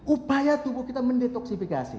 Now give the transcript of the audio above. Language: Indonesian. upaya tubuh kita mendetoksifikasi